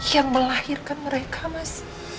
yang melahirkan mereka mas